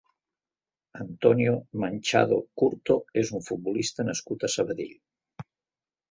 Antonio Manchado Curto és un futbolista nascut a Sabadell.